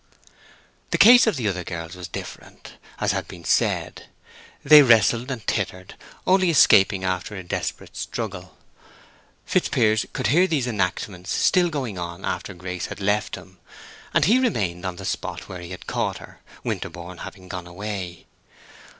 The case of the other girls was different, as has been said. They wrestled and tittered, only escaping after a desperate struggle. Fitzpiers could hear these enactments still going on after Grace had left him, and he remained on the spot where he had caught her, Winterborne having gone away.